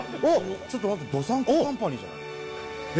ちょっと待って「どさんこＣＯＭＰＡＮＹ」じゃない？